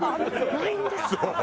ないんですか？